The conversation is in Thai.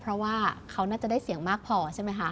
เพราะว่าเขาน่าจะได้เสียงมากพอใช่ไหมคะ